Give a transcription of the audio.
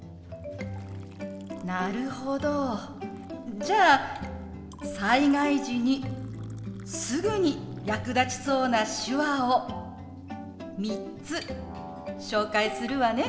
なるほどじゃあ災害時にすぐに役立ちそうな手話を３つ紹介するわね。